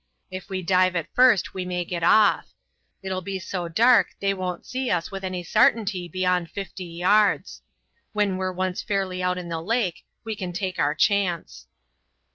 Ef we dive at first we may get off; it'll be so dark they won't see us with any sartainty beyond fifty yards. When we're once fairly out in the lake we can take our chance."